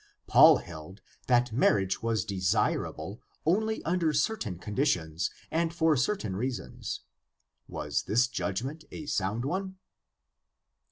Paul held that marriage was desirable only under certain conditions and for certain reasons. Was this judgment a sound one